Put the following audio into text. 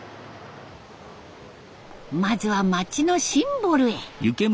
まずは町のシンボルへ。